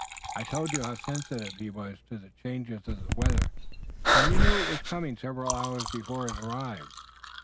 I told you how sensitive he was to the changes of the weather, and he knew it was coming several hours before it arrived.